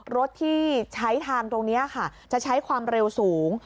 รถที่ใช้ทางตรงนี้ค่ะจะใช้ความเร็วสูง